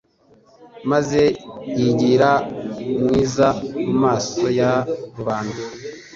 maze yigira mwiza mu maso ya rubanda;